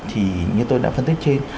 thì như tôi đã phân tích trên